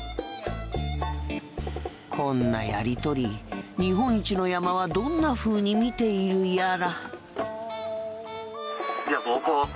こんなやり取り日本一の山はどんなふうに見ているやら。